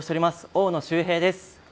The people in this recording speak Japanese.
大野周平です。